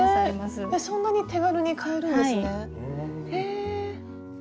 そんなに手軽に買えるんですね。